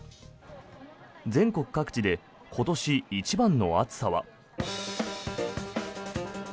全国各地で今年一番の暑さは。